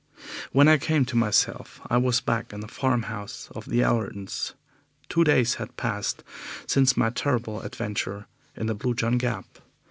When I came to myself I was back in the farm house of the Allertons. Two days had passed since my terrible adventure in the Blue John Gap.